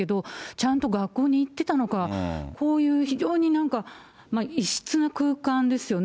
ちゃんと学校に行ってたのか、こういう非常になんか、異質な空間ですよね。